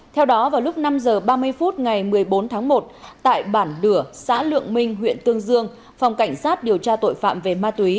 theo đó vào lúc năm h ba mươi phút ngày một mươi bốn tháng một tại bản đửa xã lượng minh huyện tương dương phòng cảnh sát điều tra tội phạm về ma túy